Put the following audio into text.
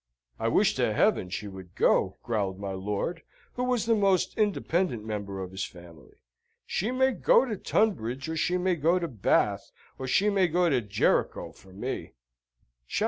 "I wish to heaven she would go!" growled my lord, who was the most independent member of his family. "She may go to Tunbridge, or she may go to Bath, or she may go to Jericho, for me."